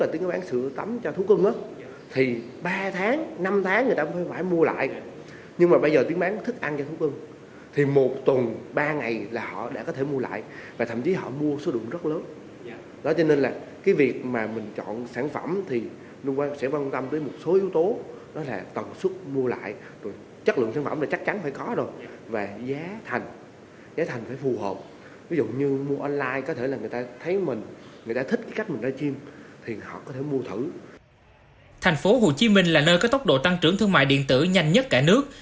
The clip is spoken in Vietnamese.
thành phố hồ chí minh là nơi có tốc độ tăng trưởng thương mại điện tử nhanh nhất cả nước